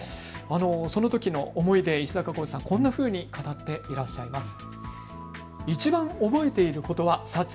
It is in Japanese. そのときの思い出、こんなふうに語っていらっしゃいます。